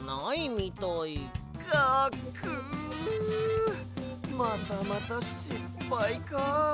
ガクまたまたしっぱいか。